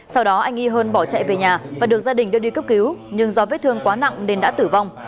sau đó anh y hơn bỏ chạy về nhà và được gia đình đưa đi cấp cứu nhưng do vết thương quá nặng nên đã tử vong